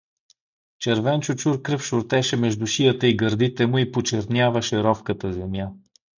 Червен чучур кръв шуртеше между шията и гърдите му и почерняваше ровката земя.